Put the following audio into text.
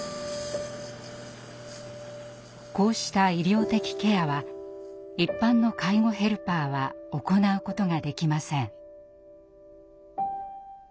こうした「医療的ケア」は一般の介護ヘルパーは行うことができません。